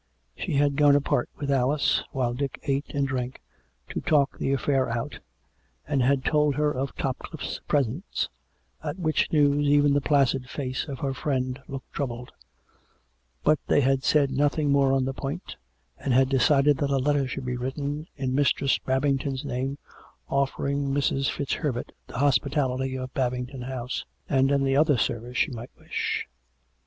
She had gone apart with Alice, while Dick ate and drank, to talk the affair out, and had told her of Topcliffe's presence, at which news even the placid face of her friend looked troubled; but they had said nothing more on the point, and had decided that a letter should be written in Mistress Babington's name, offering Mrs. FitzHerbert the hospitality of Babington House, and any other services she might wish.